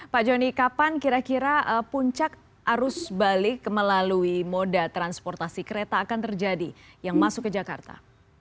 pak joni kapan kira kira puncak arus balik melalui moda transportasi kereta akan terjadi yang masuk ke jakarta